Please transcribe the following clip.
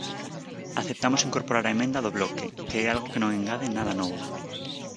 Aceptamos incorporar a emenda do Bloque, que é algo que non engade nada novo.